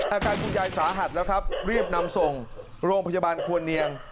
อาการคุณยายสาหัสแล้วครับรีบนำส่งโรงพยาบาลควรเนียง